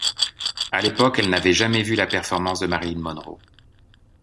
À l'époque, elle n'avait jamais vu la performance de Marilyn Monroe.